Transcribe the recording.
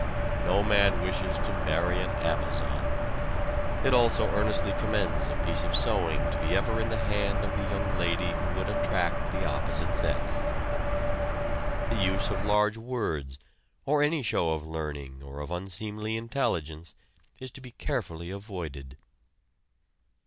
No man wishes to marry an Amazon. It also earnestly commends a piece of sewing to be ever in the hand of the young lady who would attract the opposite sex! The use of large words or any show of learning or of unseemly intelligence is to be carefully avoided.